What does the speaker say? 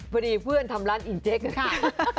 พอดีเพื่อนทำร้านอินเจ๊กค่ะ